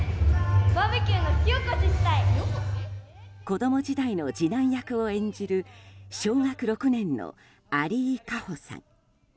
子供時代の次男役を演じる小学６年の有井可歩さん。